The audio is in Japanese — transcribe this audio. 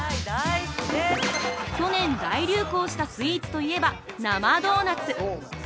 去年、大流行したスイーツといえば生ドーナツ！